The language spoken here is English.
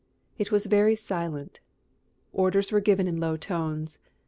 It was very silent. Orders were given in low tones.